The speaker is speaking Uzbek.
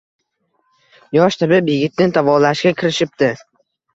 Yosh tabib yigitni davolashga kirishibdi